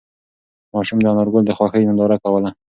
ماشوم د انارګل د خوښۍ ننداره کوله.